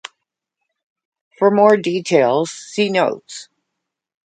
For more details, see Notes.